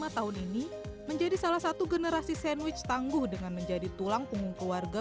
lima tahun ini menjadi salah satu generasi sandwich tangguh dengan menjadi tulang punggung keluarga